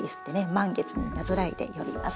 満月になぞらえて呼びます。